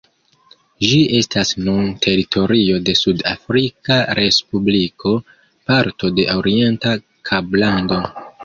Ĝi estas nun teritorio de Sud-Afrika Respubliko, parto de Orienta Kablando.